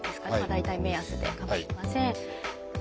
大体目安でかまいません。